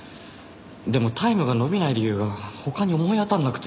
でもタイムが伸びない理由が他に思い当たらなくて。